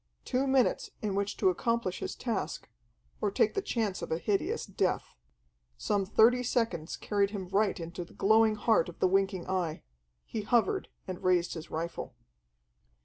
Two minutes in which to accomplish his task, or take the chance of a hideous death. Some thirty seconds carried him right into the glowing heart of the winking Eye: he hovered and raised his rifle.